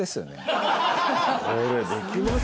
これできます？